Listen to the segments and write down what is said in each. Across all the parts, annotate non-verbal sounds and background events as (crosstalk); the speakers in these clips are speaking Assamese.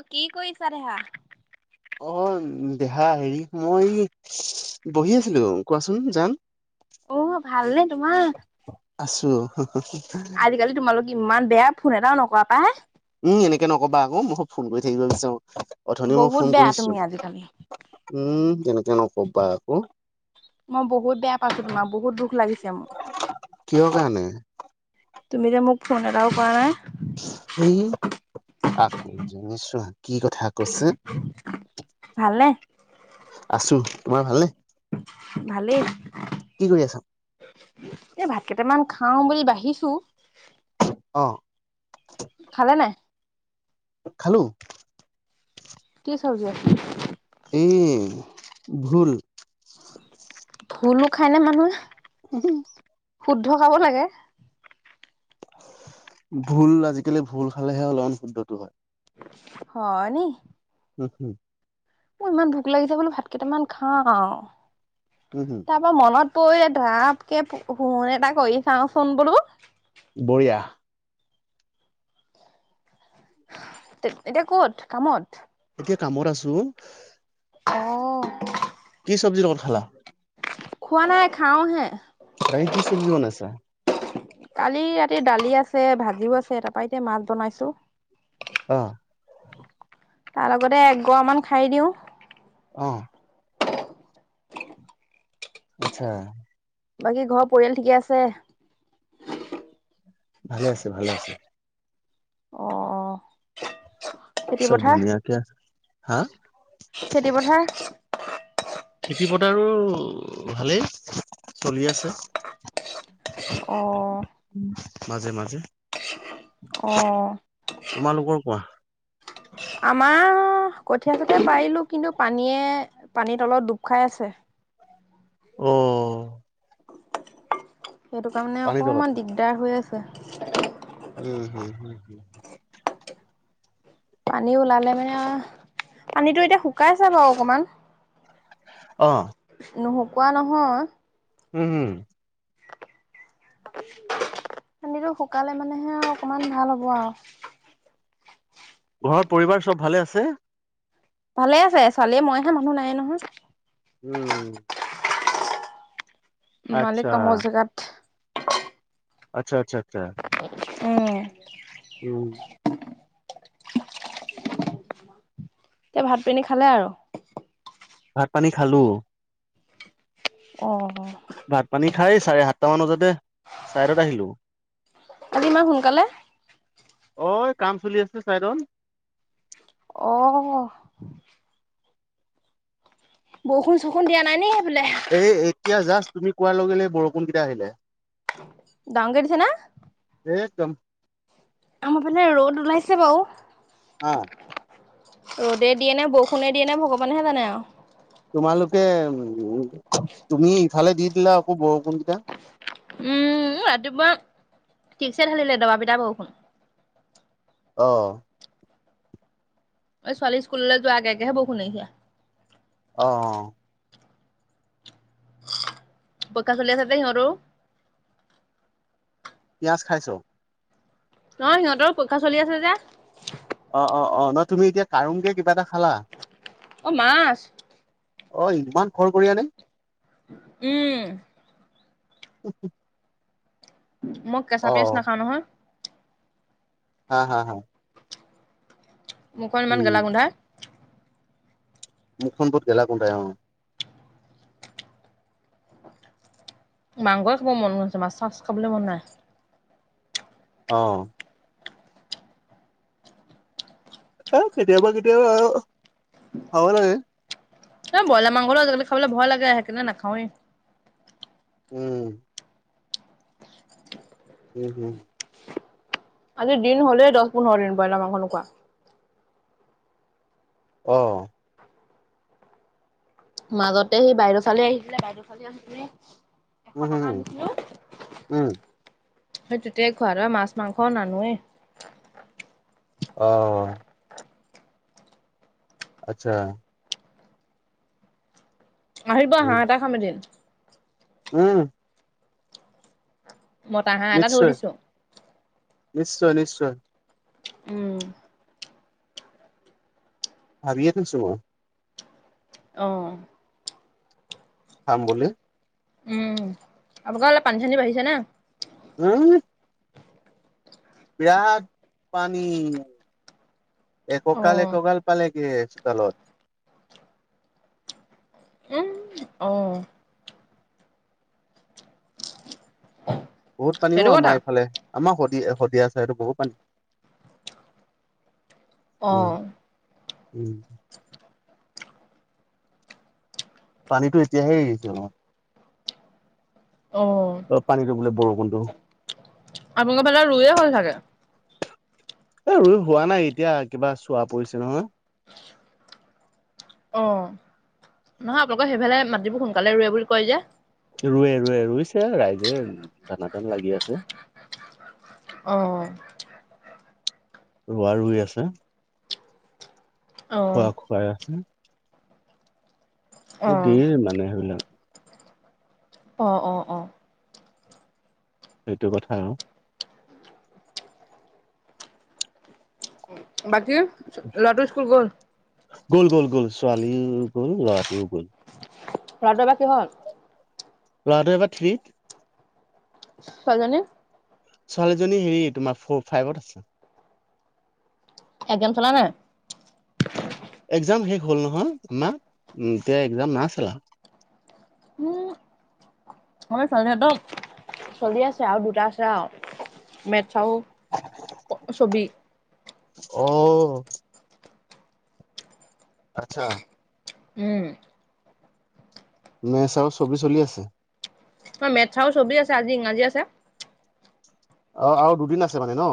অ' কি কৰিছা দেহা? অ' দেহা হেৰি মই বহি আছিলোঁ, কোৱাচোন জান। অ' ভালনেে তোমাৰ? আছোঁ। আজিকালি তোমালোক ইমান বেয়া, ফোন এটাও নকৰা পাই। উম, এনেকে নক'বা আকৌ মই খুব ফোন কৰি থাকিব বিচাৰোঁ। অথনি মই বহুত ফোন বেয়া তুমি কৰিছোঁ। আজিকালি। উম, কেনেকে নক'বা আকৌ। মই বহুত বেয়া পাইছোঁ তোমাক, বহুত দুখ লাগিছে মোৰ। কিহৰ কাৰণে? তুমি যে মোক ফোন এটাও কৰা নাই। ই আকৌ (unintelligible) কি কথা কৈছে। ভালনে? আছোঁ, তোমাৰ ভালনে? ভালেই। কি কৰি আছা এই ভাত কেইটামান খাওঁ বুলি বাঢ়িছোঁ। অ'। খালে নাই খালো কি চবজি আ এই ভুল ভুলো খায়নে মানুহে (inaudible) শুদ্ধ খাব লাগে ভুল আজিকালি ভুল খালেহে অলপমান শুদ্ধতটো হয় হয় নি উম হুম মোৰ ইমান ভোক লাগিছে বোলো ভাত কেইটামান খাওঁ উমহুম তাৰ পৰা মনত পৰিলে ধাপকে ফুণ এটা কৰি চাওঁচোন বোলো বঢ়ীয়া এতিয়া কত কামত এতিয়া কামত আছো অ কি চব্জি লগত খালা খোৱা নাই খাওহে আজি কি চব্জি বনাইছা কালি ৰাতিৰ দালি আছে ভাজিও আছে তাৰপৰা এতিয়া মাছ বনাইছো অ তাৰ লগতে এগৰামান খাই দিওঁ অ আচ্ছা বাকী ঘৰৰ পৰিয়াল ঠিকে আছে ভালে আছে ভালে আছে অ খেতি চব পথাৰ ধুনীয়া কে আছে হা খেতি পথাৰ খেতি পথাৰো ভালেই চলি আছে অ মাজে মাজে অ তোমালোকৰ কোৱা আমাৰ কঠিয়াচঠিয়া পাৰিলো কিন্তু পানীয়ে পানীতলত ডুব খাই আছে অ অ অ সেইটো কাৰণে পানী তলত অকমান দিগদাৰ হৈ আছে উম হুম হুম হুম পানী ওলালে মানে পানীটো এতিয়া শুকাইছে বাৰু অকমান অ নুহকোৱা নহয় উম হুম পানীটো শুকালে মানেহে অকমান ভাল হ'ব আও ঘৰত পৰিবাৰ চব ভালে আছে ভালেই আছে, ছোৱালীয়ে মইয়েহে, মানুহ নাইয়ে নহয়। উম। আচ্ছা মালিক কামৰ জেগাত আচ্ছা আচ্ছা আচ্ছা। উম। উম। এতিয়া ভাত পানী খালে আৰু? ভাত পানী খালোঁ। অ' অ'। ভাত পানী খাই চাৰে সাতটা মান বজাতে চাইদত আহিলোঁ। আজি ইমান সোনকালে? অ', এই কাম চলি আছিলে চাইদত। অ'। বৰষুণ-চৰষুণ দিয়া নাই নেকি সেইফালে? এই এতিয়া জাষ্ট তুমি কোৱাৰ লগে বৰষুণকেইটা আহিলে। ডাঙৰকৈ দিছে নে? একদম। আমাৰ ফালে ৰ'দ ওলাইছে বাৰু। অ' ৰ'দেই দিয়ে নে বৰষুণেই দিয়ে ভগৱানেহে জানে আৰু। তোমালোকে উম, তুমি এইফালে দি দিলা আকৌ বৰষুণ কেইটা। উম, ৰাতিপুৱা ঠিকছে ঢালিলে, দবা পিটা বৰষুণ। অ'। এই ছোৱালী স্কুললৈ যোৱাৰ আগে আগেহে বৰষুণ এৰিছে। অ' অ'। পৰীক্ষা চলি আছে যে সিহঁতৰো। পিয়াঁজ খাইছ? নহয়, সিহঁতৰো পৰীক্ষা চলি আছে যে। অ' অ' অ', নহয় তুমি এতিয়া কাৰমকে কিবা এটা খালা। অ' মাছ। অ', ইমান খৰখৰিয়া নে? উম। উ মই কেঁচা পিয়াঁজ নাখাওঁ নহয়। হা হা হা। মুখখন ইমান উম গেলা গোন্ধায়। মুখখন বহুত গেলা গোন্ধায় অ'। মাংসই খাব মন গৈছে, মাছ-চাছ খাবলৈ মন নাই। অ'। এই কেতিয়াবা কেতিয়াবা আৰু খাব লাগে। এই বইলা মাংসটো আজিকালি খাবলৈ ভয় লাগে, সেইকাৰণে নাখাওঁৱে। উম। উম হুম। আজি দিন হ'লেই দহ-পোন্ধৰ দিন, বইলা মাংস নোখোৱা। অ'। মাজতে সেই বাইদেউ ছোৱালী আহিছিলে বাইদেউ ছোৱালী আহোতে এশ উম হম টকা হম আনিছিলো উম সেই তেতিয়াই খোৱা আৰু মাছ মাংসও নানোৱে অ আচ্ছা আহিব হাঁহ উম এটা খাম এদিন উম মতা হাঁহ এটা থৈ নিশ্চয় দিছো নিশ্চয় নিশ্চয় উম ভাবিয়ে থৈছো মই অ খাম বুলি উম আপোনোকৰ অলপ পানী চানী বাঢ়িছে নে (unintelligible) বিৰাট পানী এককাল অ'। এককাল পালেগে চোতালত উম অ (unintelligible) বহুত পানীও সেইটো কথা আমাৰ এইফালে আমাৰ শদি শদিয়া ছাইডে বহুত পানী অ' উম উম পানীটো এতিয়াহে আহিছে অলপ অ অ পানীটো বোলে বৰষুণটো আপোনালোকৰ ফালে ৰুইয়ে হ'ল চাগে এ ৰুই হোৱা নাই এতিয়া কিবা চোৱা পৰিছে নহয় অ নহয় আপোনালোকৰ সেইফালে মাটিবোৰ সোনকালে ৰুৱে বুলি কয় যে ৰুৱে ৰুৱে ৰুইছে ৰাইজে তানা তন লাগি আছে অ ৰুৱা ৰুই আছে অ' খোৱা খুৱাই আছে এই অ' দিয়ে মানে সেইবিলাক অ অ অ সেইটো কথা আও বাকী লৰাটো স্কুল গ'ল গ'ল গ'ল গ'ল ছোৱালীও গ'ল ল'ৰাটোও গ'ল ল'ৰাটো এইবাৰ কিহত ল'ৰাটো এইবাৰ থ্ৰী ছোৱালীজনি ছোৱালীজনী হেৰি তোমাৰ ফৰ ফাইভত আছে চাইকেল চলাই নাই একজাম শেষ হল নহয় আমা উম এতিয়া একজাম নাই চলা উম আমাৰ ছোৱালীহতৰ চলি আছে আৰু দুটা আছে আৰু মেথ আও অ ছবি অ আচ্ছা। উম! মেচ আৰু ছবি চলি আছে। হয় মেছ ছবি আছে আজি ইংৰাজী আছে। অ আৰু দুদিন আছে মানে ন।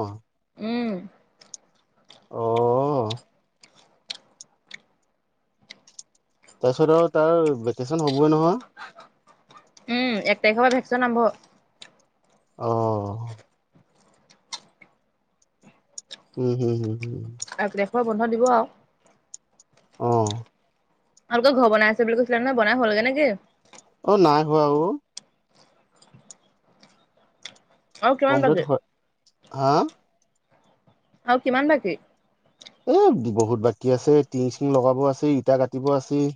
উম! অহ তাৰপিছত আৰু তাৰ ভেকেশচন হবই নহয়। উম! এক তাৰিখৰ পৰা ভেকচন আৰম্ভ অহ উম হুম হুম (unintelligible) আৰুেশৰ বন্ধ দিব আপৰু- অহ আপোনালোকৰ ঘৰ বনাই আছে বুলি কৈছিলা ন বনাই হ'ল গে নেকি। অ নাই হোৱা ও। আৰু কিমান কমপ্লেট বাকী হয় হা আৰু কিমান বাকী। উম বহুত বাকী আছে টিং চিং লগাব আছে ইটা গাঠিব আছেই।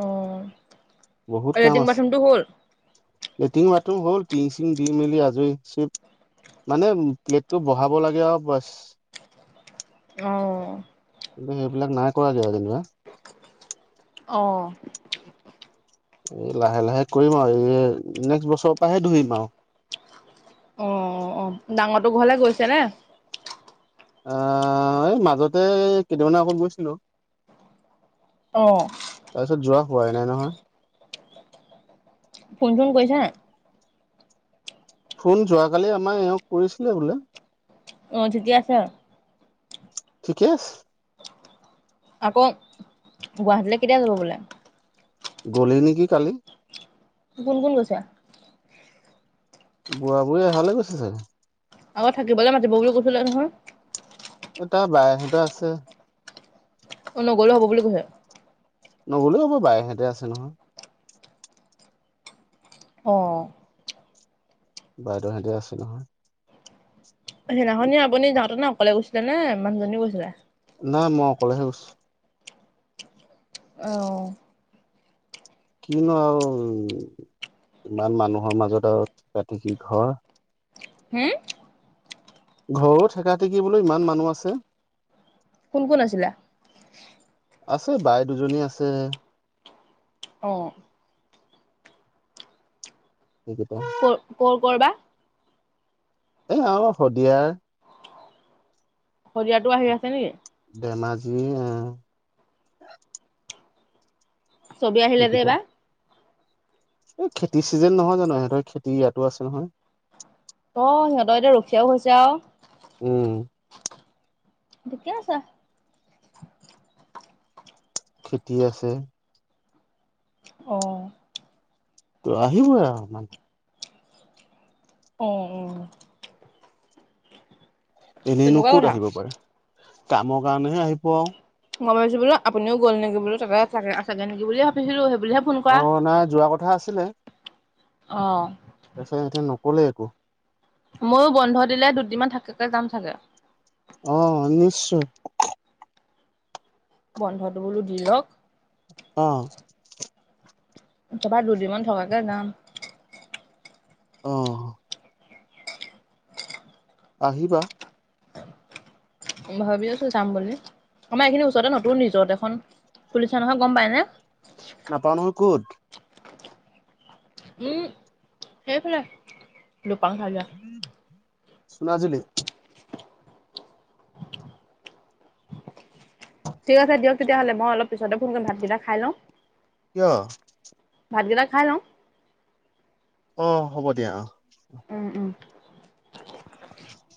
অ', বহুত কাম লেট্ৰিন আছে, বাথৰুমটো হ'ল? লেট্ৰিন বাথৰুম হ'ল টিং চিং দি মেলি আজৰি চ মানে প্লেটটো বহাব লাগে আৰু বচ। অহ। হি সেইবিলাক নাই কৰা গে আৰু যেনিবা। অ এই লাহে-লাহে কৰিম আৰু এই নেক্সট বছৰৰ পৰাহে ধৰিম আৰু অ'-অ' ডাঙৰটো ঘৰলে গৈছে নে? আ এই মাজতে কেইদিমানৰ আগত গৈছিলোঁ। অ', তাৰপিছত যোৱা হোৱাই নাই নহয়। ফোন চোন কৰিছে নাই? ফোন যোৱাকালি আমাৰ এওঁক কৰিছিলে বোলে। অ ', ঠিকে আছে। ঠিকে আছে। আকৌ গুৱাহাটীলে কেতিয়া যাব বোলে? গলেই নেকি কালি। কোন, কোন গৈছে? বুঢ়া-বুঢ়ী হালেই গৈছে চাগে। আকৌ থাকিবলে মাতিব বুলি কৈছিলে নহয়। এ তাৰ বায়েক সতৰ আছে। অ' নগলেও হ'ব বুলি কৈছে? নগলেও হ'ব, বায়েক হেতে আছে নহয়। অ বাইদেউ হেতে আছে নহয়। সিদিনাখনি আপুনি যাওঁতেনে অকলে গৈছিলে নে মানুহজনীও গৈছিলে? নাই মই অকলেহে গৈছোঁ। অ', কিনো আৰু ইমান মানুহৰ মাজত আৰু ৰাতি কি ঘৰ হম? ঘৰো ঠেকা-ঠেকি বোলো ইমান মানুহ আছে। কোন-কোন আছিলা? আছে বাই দুজনী আছে অ', সেইকেইটা (inaudible) কৰ-কৰ-কৰ বা? এ, আৰু শদিয়াৰ। শদিয়াতো আহি আছে নেকি? ধেমাজিৰ আহ চবেই আহিলে যে সেইকেইটা এইবাৰ? এই খেতি চিজেন নহয় জানো, ইহঁতৰ খেতি ইয়াতো আছে নহয়। অ', সিহঁতৰ এতিয়া ৰখীয়াও হৈছে আৰু উম ঠিকেই আছে। খেতি আছে। অ', ত' আহিবই আৰু মানে অ', অ' এনেইনো তেনেকুৱা ক'ত কথা আহিব পাৰে, কামৰ কাৰণেহে আহিব আৰু। মই ভাবিছোঁ বোলো আপুনিও গ'ল নেকি বোলো, তাকে তাতে আছেগে নেকি বুলিয়ে ভাবিছিলোঁ সেইবুলিহে ফোন কৰা অ', নাই যোৱা কথা আছিলে অ', তাৰপিছত এতিয়া নকলে একো ময়ো বন্ধ দিলে দুদিনমান থাকাকে যাম চাগে অ', নিশ্চয় বন্ধটো বোলো দিয়ক অ' একেবাৰে দুদিমান থকাকে যাম অ' আহিবা ভাবি আছো যাম বুলি, আমাৰ এইখিনি ওচৰতে নতুন ৰিজৰ্ট এখন খুলিছে নহয় গম পাই নে? নাপাওঁ নহয় ক'ত? উম, সেইফালে দুপাং (unintelligible) চুনাজুলী ঠিক আছে দিয়ক তেতিয়া হ'লে মই অলপ পিছতে ফোন কৰিম ভাতকেইটা খাই লওঁ কিয়? ভাতকেইটা খাই লওঁ অ' হ'ব দিয়া অ' উম, উম (unintelligible)